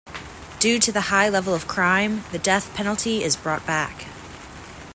Due to the high level of crime, the death penalty is brought back.